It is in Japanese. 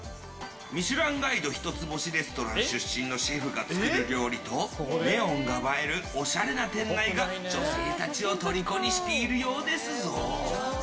「ミシュランガイド」一つ星レストラン出身のシェフが作る料理と、ネオンが映えるおしゃれな店内が女性たちをとりこにしているようですぞ。